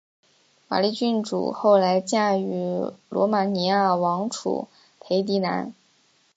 玛丽郡主后来嫁予罗马尼亚王储斐迪南。